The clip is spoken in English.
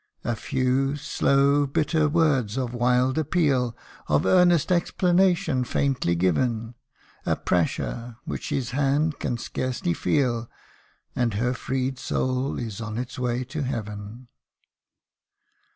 A few slow, bitter words of wild appeal Of earnest explanation faintly given A pressure, which his hand can scarcely feel, And her freed soul is on its way to heaven